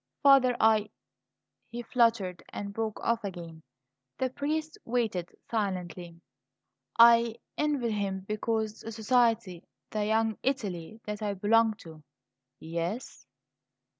"Father, I " He faltered and broke off again. The priest waited silently. "I envied him because the society the Young Italy that I belong to " "Yes?"